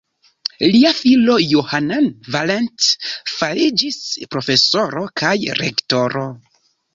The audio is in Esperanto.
Lia filo Johann Valentin fariĝis profesoro kaj rektoro.